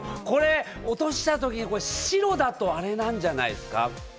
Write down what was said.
これ落としたとき、白だとアレなんじゃないですか？